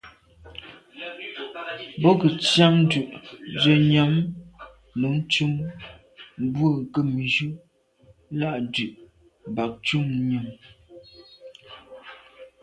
Bo ke ntsian dù’ ze nyam num ntum bwe nkebnjù l’a ndù bag ntum nyam.